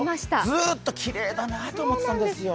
ずっときれいだなと思ってたんですよ。